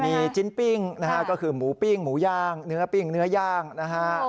มีจิ้นปิ้งนะฮะก็คือหมูปิ้งหมูย่างเนื้อปิ้งเนื้อย่างนะฮะ